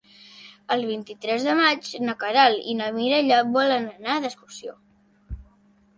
El vint-i-tres de maig na Queralt i na Mireia volen anar d'excursió.